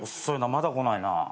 まだ来ないな。